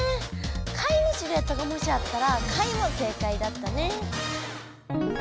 貝のシルエットがもしあったら貝も正解だったね。